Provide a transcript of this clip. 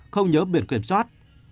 không nhớ biển quyểm soát